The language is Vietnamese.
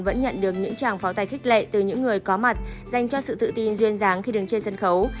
vẫn nhận được những tràng pháo tài khích lệ từ những người có mặt dành cho sự tự tin duyên dáng khi đứng trên sân khấu